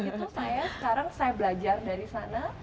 dan itu saya sekarang saya belajar dari sana